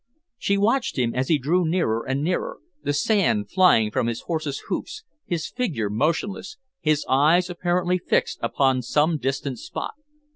She watched him as he drew nearer and nearer, the sand flying from his horse's hoofs, his figure motionless, his eyes apparently fixed upon some distant spot.